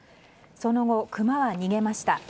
その後、クマは逃げました。